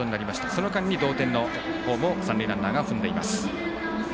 その間に同点のホームを三塁ランナーが踏んでいます。